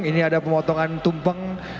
ini ada pemotongan tumpeng